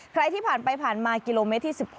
ใครที่ผ่านไปผ่านมากิโลเมตรที่๑๖